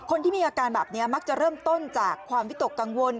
คนที่มีอาการแบบนี้มักจะเริ่มต้นจากความวิตกกังวล